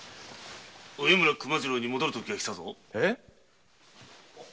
植村熊次郎に戻るときがきたぞ。